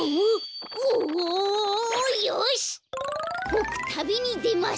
ぼくたびにでます。